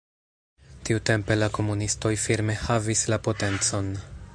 Tiutempe la komunistoj firme havis la potencon.